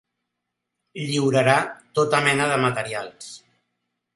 Lliurarà tota mena de materials.